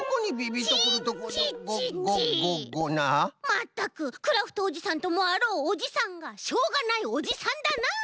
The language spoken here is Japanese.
まったくクラフトおじさんともあろうおじさんがしょうがないおじさんだなあ！